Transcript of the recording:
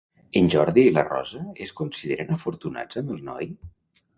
En Jordi i la Rosa es consideren afortunats amb el noi?